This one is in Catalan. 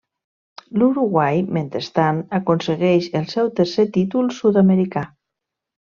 L'Uruguai, mentrestant, aconsegueix el seu tercer títol sud-americà.